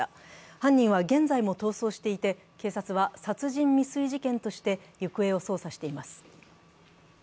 犯人は現在も逃走していて、警察は殺人未遂事件として行方を捜査しています。